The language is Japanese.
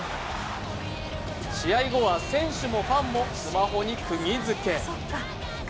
試合後は選手もファンもスマホにくぎづけ。